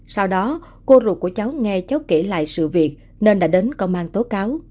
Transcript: sau đó cô ruột của cháu nghe cháu kể lại sự việc nên đã đến công an tố cáo